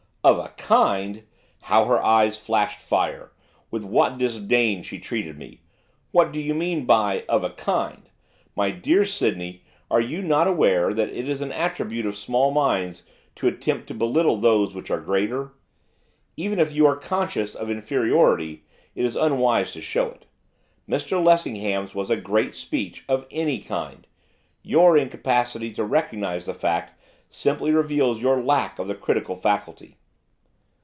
'Of a kind!' How her eyes flashed fire! With what disdain she treated me! 'What do you mean by "of a kind?" My dear Sydney, are you not aware that it is an attribute of small minds to attempt to belittle those which are greater? Even if you are conscious of inferiority, it's unwise to show it. Mr Lessingham's was a great speech, of any kind; your incapacity to recognise the fact simply reveals your lack of the critical faculty.